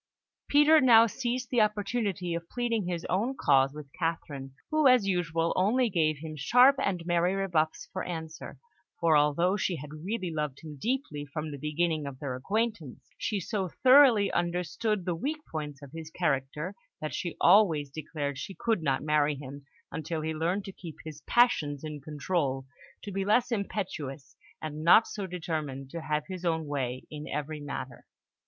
Peter now seized the opportunity of pleading his own cause with Catherine, who, as usual, only gave him sharp and merry rebuffs for answer, for although she had really loved him deeply from the beginning of their acquaintance, she so thoroughly understood the weak points of his character, that she always declared she could not marry him until he learned to keep his passions in control, to be less impetuous, and not so determined to have his own way in every matter.